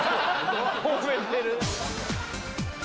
もめてる。